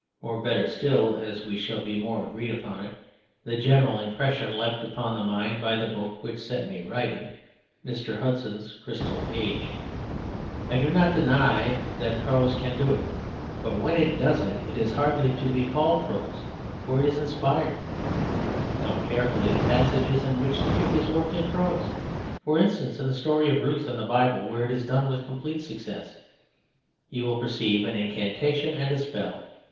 Or, better still, as we shall be more agreed upon it, the general impression left upon the mind by the book which set me writing Mr. Hudson's Crystal Age. I do not deny that prose can do it, but when it does it, it is hardly to be called prose, for it is inspired. Note carefully the passages in which the trick is worked in prose (for instance, in the story of Ruth in the Bible, where it is done with complete success), you will perceive an incantation and a spell.